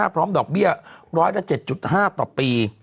พร้อมดอกเบี้ย๑๐๐และ๗๕ต่อปี